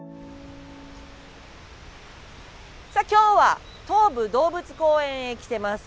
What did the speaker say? さあ今日は東武動物公園へ来てます。